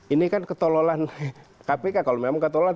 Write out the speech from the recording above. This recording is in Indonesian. ini kan ketololan kpk kalau memang ketololan